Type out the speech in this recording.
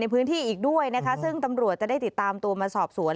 พื้นที่อีกด้วยนะคะซึ่งตำรวจจะได้ติดตามตัวมาสอบสวน